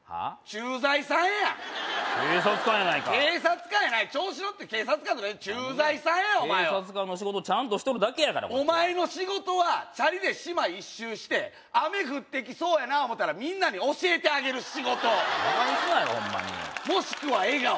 駐在さんや警察官やないか警察官やない調子乗って警察官とか駐在さんやお前は警察官の仕事ちゃんとしとるだけやからお前の仕事はチャリで島一周して雨降ってきそうやな思たらみんなに教えてあげる仕事バカにすなよホンマにもしくは笑顔